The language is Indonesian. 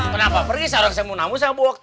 kenapa pergi seorang saya mau nanggu saya bu wokta